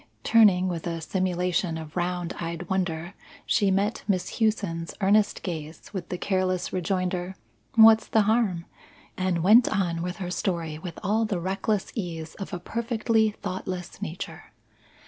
Turning, with a simulation of round eyed wonder, she met Miss Hughson's earnest gaze with the careless rejoinder, "What's the harm?" and went on with her story with all the reckless ease of a perfectly thoughtless nature.